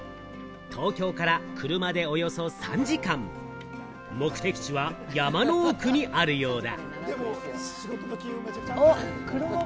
東京から車でおよそ３時間、目的地は、山の奥にあるようだ。